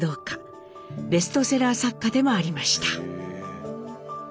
ベストセラー作家でもありました。